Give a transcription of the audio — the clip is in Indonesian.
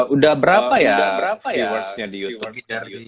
udah berapa ya viewersnya di youtube